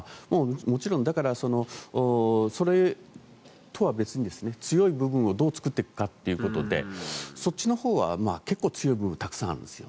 もちろん、だからそれとは別に、強い部分をどう作っていくかということでそっちのほうは強い部分が結構たくさんあるんです。